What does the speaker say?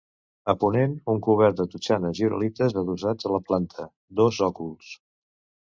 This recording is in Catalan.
A ponent un cobert de totxanes i uralites adossat a la planta, dos òculs.